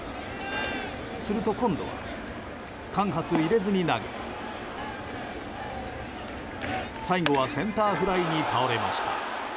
すると今度は間髪入れずに投げ最後はセンターフライに倒れました。